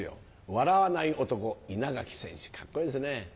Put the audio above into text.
笑わない男稲垣選手カッコいいですね。